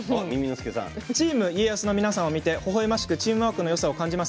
チーム家康の皆さんを見てほほえましくチームワークのよさを感じます。